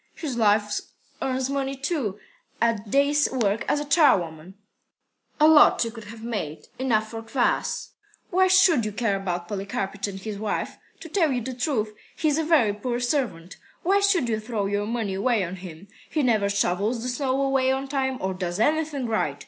"His wife earns money, too, at day's work as charwoman." "A lot she could have made! Enough for kvas." "Why should you care about Polikarpych and his wife? To tell you the truth, he's a very poor servant. Why should you throw your money away on him? He never shovels the snow away on time, or does anything right.